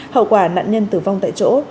hậu quả nạn nhân tử vong tại chỗ